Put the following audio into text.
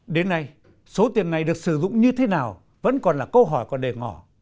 đến nay số tiền này được sử dụng như thế nào vẫn còn là câu hỏi còn đề ngỏ